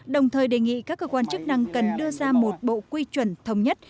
đồng thời đề nghị các cơ quan chức năng cần đưa ra một bộ quy chuẩn thống nhất